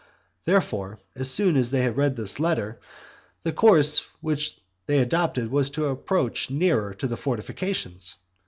Therefore, as soon as they had read this letter, the course which they adopted was to approach nearer to the fortifications.